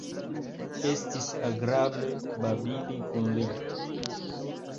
Estis agrable babili kun li.